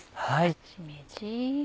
しめじ。